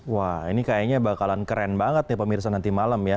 wah ini kayaknya bakalan keren banget nih pemirsa nanti malam ya